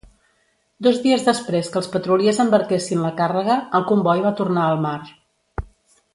Dos dies després que els petroliers embarquessin la càrrega, el comboi va tornar al mar.